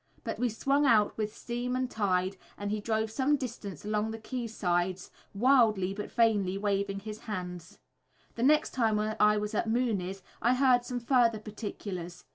But we swung out with steam and tide, and he drove some distance along the quay sides wildly but vainly waving his hands. The next time I was at Mooney's I heard some further particulars.